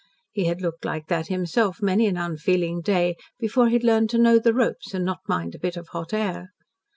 He had looked like that himself many an unfeeling day before he had learned to "know the ropes and not mind a bit of hot air."